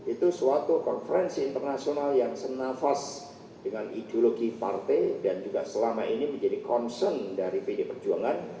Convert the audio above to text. itu suatu konferensi internasional yang senafas dengan ideologi partai dan juga selama ini menjadi concern dari pd perjuangan